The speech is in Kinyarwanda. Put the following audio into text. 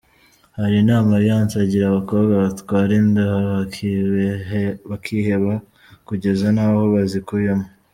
Hari inama Alliance agira abakobwa batwara inda bakiheba kugeza n’aho bazikuyemo:.